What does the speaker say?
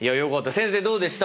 先生どうでした？